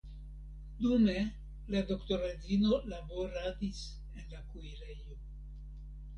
Dume la doktoredzino laboradis en la kuirejo.